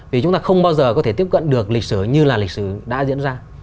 vì chúng ta không bao giờ có thể tiếp cận được lịch sử như là lịch sử đã diễn ra